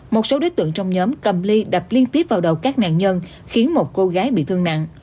một số đối tượng trong nhóm cầm ly đập liên tiếp vào đầu các nạn nhân khiến một cô gái bị thương nặng